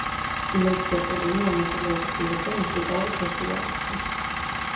ლედ ზეპელინი მონაწილეობას იღებდა მუსიკალურ ფესტივალებში.